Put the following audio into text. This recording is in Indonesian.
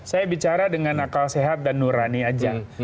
saya bicara dengan akal sehat dan nurani aja